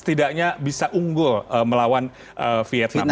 setidaknya bisa unggul melawan vietnam